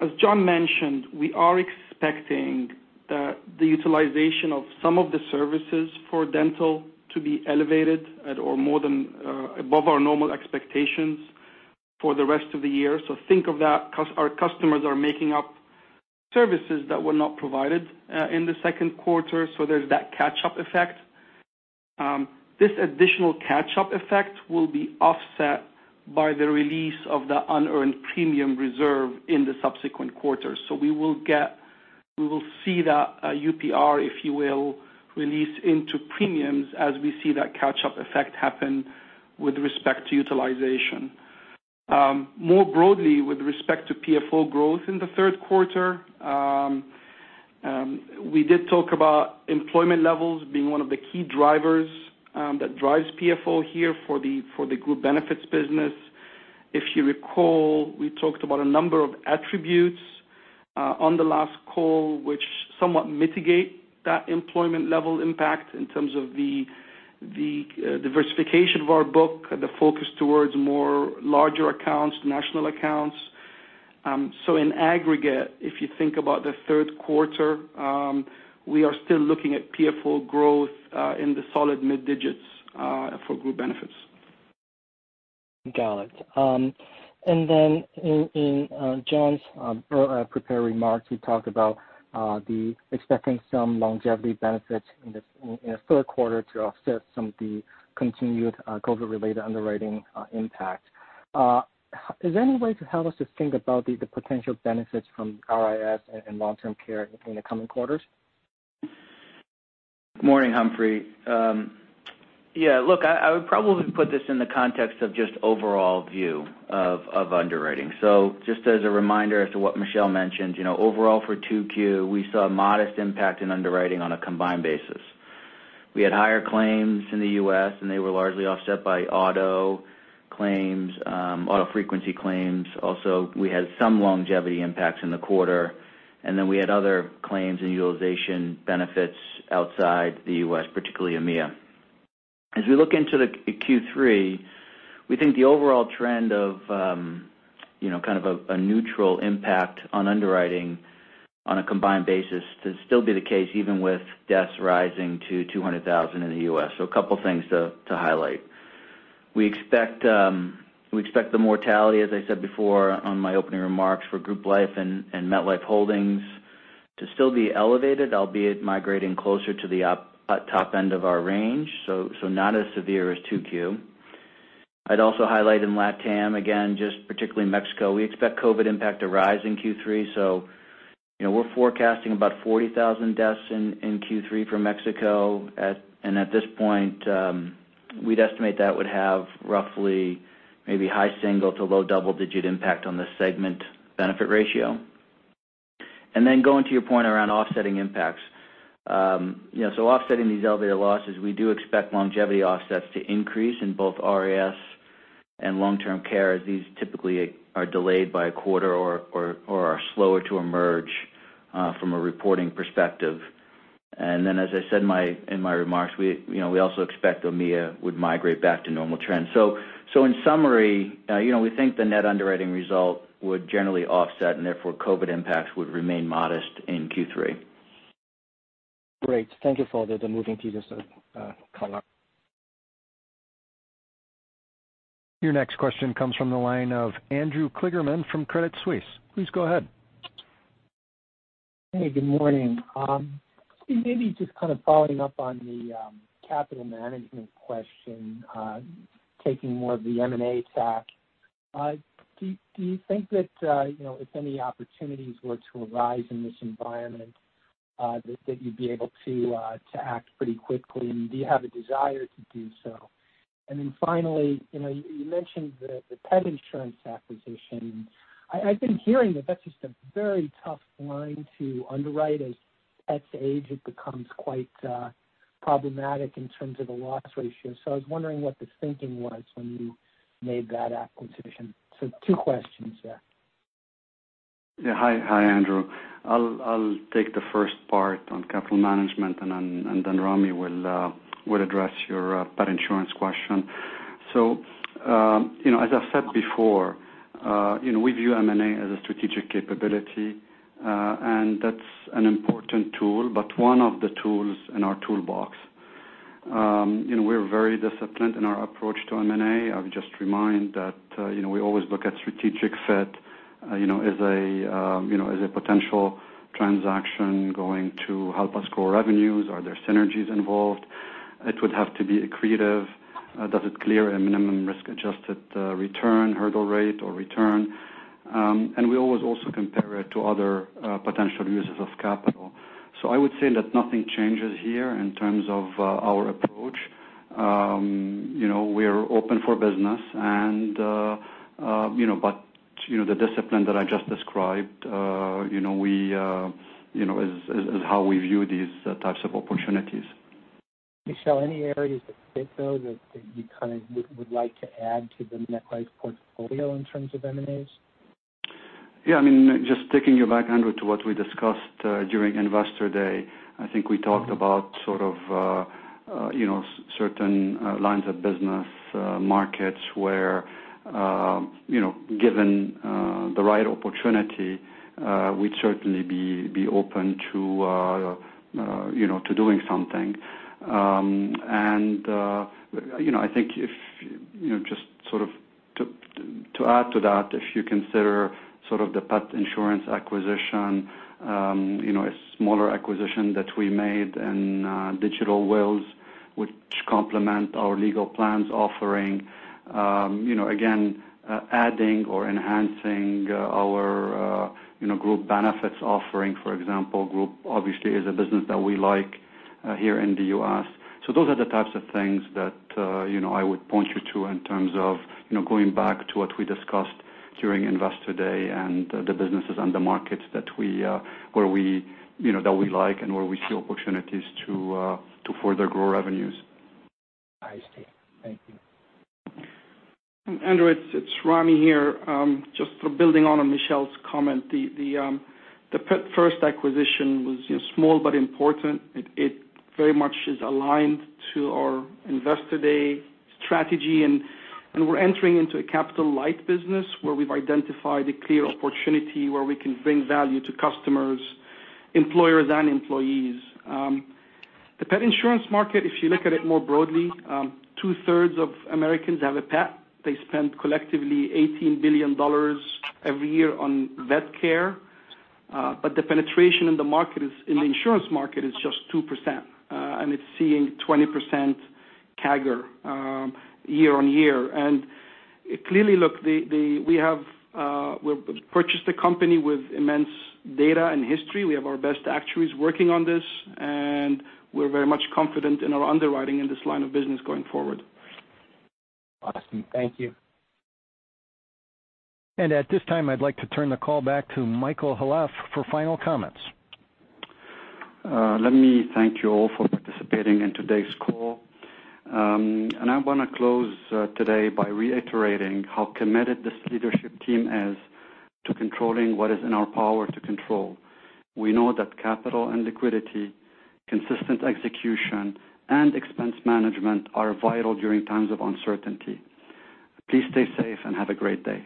As John mentioned, we are expecting the utilization of some of the services for dental to be elevated or more than above our normal expectations for the rest of the year. Think of that because our customers are making up services that were not provided in the second quarter. There is that catch-up effect. This additional catch-up effect will be offset by the release of the unearned premium reserve in the subsequent quarter. We will see that UPR, if you will, release into premiums as we see that catch-up effect happen with respect to utilization. More broadly, with respect to PFO growth in the third quarter, we did talk about employment levels being one of the key drivers that drives PFO here for the group benefits business. If you recall, we talked about a number of attributes on the last call which somewhat mitigate that employment level impact in terms of the diversification of our book and the focus towards more larger accounts, national accounts. In aggregate, if you think about the third quarter, we are still looking at PFO growth in the solid mid-digits for group benefits. Got it. In John's prepared remarks, he talked about expecting some longevity benefits in the third quarter to offset some of the continued COVID-related underwriting impact. Is there any way to help us to think about the potential benefits from RIS and long-term care in the coming quarters? Good morning, Humphrey. Yeah. Look, I would probably put this in the context of just overall view of underwriting. Just as a reminder as to what Michel mentioned, overall for Q2, we saw a modest impact in underwriting on a combined basis. We had higher claims in the U.S., and they were largely offset by auto claims, auto frequency claims. Also, we had some longevity impacts in the quarter. We had other claims and utilization benefits outside the U.S., particularly EMEA. As we look into Q3, we think the overall trend of kind of a neutral impact on underwriting on a combined basis to still be the case even with deaths rising to 200,000 in the U.S. A couple of things to highlight. We expect the mortality, as I said before in my opening remarks for Group Life and MetLife Holdings, to still be elevated, albeit migrating closer to the top end of our range, so not as severe as Q2. I'd also highlight in Latin America, again, just particularly Mexico, we expect COVID impact to rise in Q3. We are forecasting about 40,000 deaths in Q3 for Mexico. At this point, we'd estimate that would have roughly maybe high single- to low double-digit impact on the segment benefit ratio. Going to your point around offsetting impacts, offsetting these elevated losses, we do expect longevity offsets to increase in both RIS and long-term care as these typically are delayed by a quarter or are slower to emerge from a reporting perspective. As I said in my remarks, we also expect EMEA would migrate back to normal trends. In summary, we think the net underwriting result would generally offset, and therefore, COVID impacts would remain modest in Q3. Great. Thank you for the moving pieces to call out. Your next question comes from the line of Andrew Kligerman from Credit Suisse. Please go ahead. Hey, good morning. Maybe just kind of following up on the capital management question, taking more of the M&A stack. Do you think that if any opportunities were to arise in this environment, that you'd be able to act pretty quickly? Do you have a desire to do so? Finally, you mentioned the pet insurance acquisition. I've been hearing that that's just a very tough line to underwrite as pets age. It becomes quite problematic in terms of the loss ratio. I was wondering what the thinking was when you made that acquisition. Two questions there. Yeah. Hi, Andrew. I'll take the first part on capital management, and then Rami will address your pet insurance question. As I've said before, we view M&A as a strategic capability, and that's an important tool, but one of the tools in our toolbox. We're very disciplined in our approach to M&A. I would just remind that we always look at strategic fit as a potential transaction going to help us grow revenues. Are there synergies involved? It would have to be accretive. Does it clear a minimum risk-adjusted return, hurdle rate, or return? We always also compare it to other potential uses of capital. I would say that nothing changes here in terms of our approach. We're open for business, but the discipline that I just described is how we view these types of opportunities. Michelle, any areas of PFO that you kind of would like to add to the MetLife portfolio in terms of M&As? Yeah. I mean, just taking you back, Andrew, to what we discussed during Investor Day, I think we talked about sort of certain lines of business markets where, given the right opportunity, we'd certainly be open to doing something. I think just sort of to add to that, if you consider sort of the pet insurance acquisition, a smaller acquisition that we made in Digital Wells, which complement our legal plans offering, again, adding or enhancing our group benefits offering. For example, group obviously is a business that we like here in the U.S. Those are the types of things that I would point you to in terms of going back to what we discussed during Investor Day and the businesses and the markets that we like and where we see opportunities to further grow revenues. I see. Thank you. Andrew, it's Ramy here. Just building on Michel's comment, the first acquisition was small but important. It very much is aligned to our Investor Day strategy. We're entering into a capital light business where we've identified a clear opportunity where we can bring value to customers, employers, and employees. The pet insurance market, if you look at it more broadly, two-thirds of Americans have a pet. They spend collectively $18 billion every year on vet care. The penetration in the insurance market is just 2%, and it's seeing 20% CAGR year-on-year. Clearly, look, we purchased a company with immense data and history. We have our best actuaries working on this, and we're very much confident in our underwriting in this line of business going forward. Awesome. Thank you. At this time, I'd like to turn the call back to Michel Khalaf for final comments. Let me thank you all for participating in today's call. I want to close today by reiterating how committed this leadership team is to controlling what is in our power to control. We know that capital and liquidity, consistent execution, and expense management are vital during times of uncertainty. Please stay safe and have a great day.